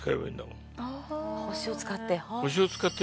星を使って。